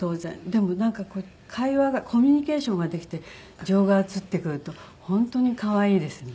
でもなんかコミュニケーションができて情が移ってくると本当に可愛いですね。